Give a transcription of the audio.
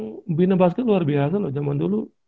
pembina basket luar biasa loh zaman dulu